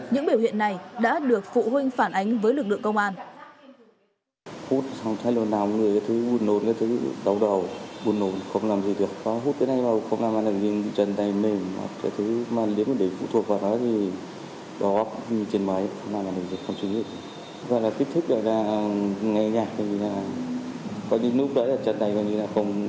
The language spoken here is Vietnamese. những biểu hiện này đã được phụ huynh phản ánh với lực lượng công an